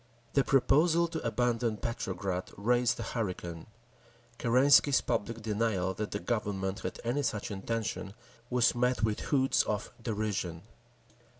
The proposal to abandon Petrograd raised a hurricane; Kerensky's public denial that the Government had any such intention was met with hoots of derision.